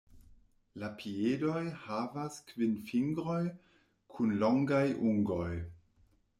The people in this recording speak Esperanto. La piedoj havas kvin fingroj kun longaj ungoj.